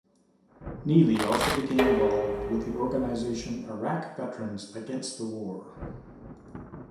Neely also became involved with the organization Iraq Veterans Against the War.